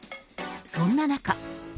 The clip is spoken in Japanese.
そんな中。